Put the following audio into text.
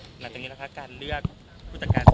อาจางนี้นะคะการเลือกผู้จัดการส่งตัว